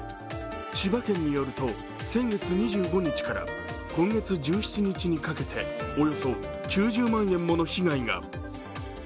千葉県によると、先月２５日から今月１７日にかけておよそ９０万円もの被害が。